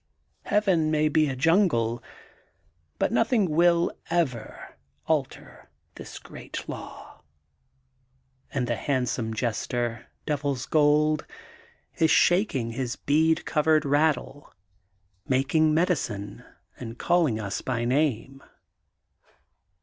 Heaven may be a jungle but nothing will ever alter this great law,'' and the handsome jester. Devil's Gold, is shaking his bead covered rattle, making inedicine and calling us by name.